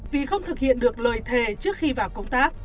vì không thực hiện được lời thề trước khi vào công tác